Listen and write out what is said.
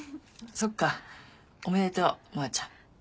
そっかおめでとう真央ちゃん。